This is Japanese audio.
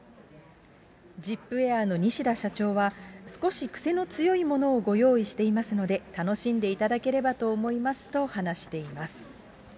ジップエアの西田社長は、少し癖の強いものをご用意していますので、楽しんでいただければと思いますと話しています。